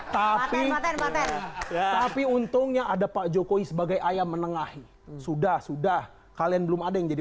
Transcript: tapi untungnya ada pak jokowi sebagai ayam menengahi sudah sudah kalian belum ada yang jadi